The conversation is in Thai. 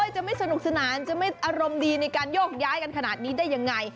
จะไม่สนุกสนานจะไม่อารมณ์ดีในการโยกย้ายกันขนาดนี้ได้ยังไง